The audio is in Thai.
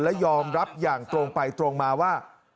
และยอมรับอย่างตรงไปตรงมาว่า